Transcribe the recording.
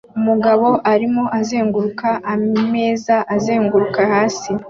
Umugabo arimo azunguruka ameza azenguruka hasi